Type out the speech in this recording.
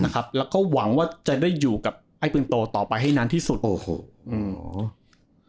นะครับแล้วก็หวังว่าจะได้อยู่กับไอ้ปืนโตต่อไปให้นานที่สุดโอ้โหอืม